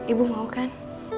ibu mau kan